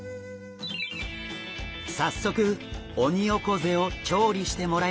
早速オニオコゼを調理してもらいましょう。